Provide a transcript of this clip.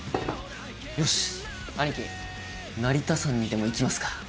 よしアニキ成田山にでも行きますか。